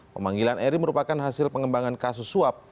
pemanggilan eri merupakan hasil pengembangan kasus suap